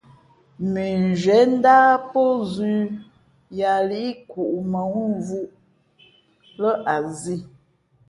Mʉnzhwīē ndáh pózʉ̄ yāā līʼ kǔʼ mάŋū vʉʼʉ̄ lά a zī.